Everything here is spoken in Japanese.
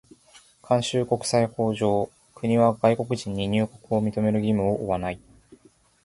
慣習国際法上、国は外国人に入国を認める義務を負わない。